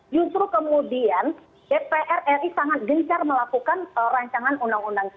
justru kemudian dpr ri sangat gencar melakukan rancangan undang undang